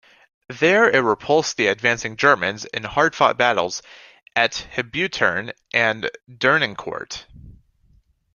There it repulsed the advancing Germans in hard fought battles at Hebuterne and Dernancourt.